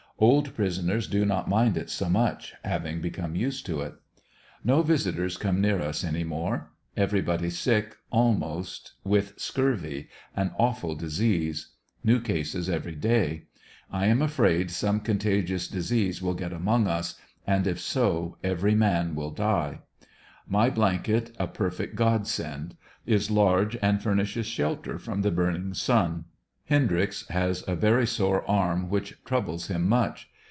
Old prisoners do not mind it so much, having become used to it. No visitors come near us any more. Everybody sick, almost, with scurvy — an awful disease. New cases every day. I am afraid some contagious disease will get among us, and if so every man will die. My blanket a perfect God send. Is large and furnishes shelter from the burning sun. Hen dryx has a very sore arm which troubles him much.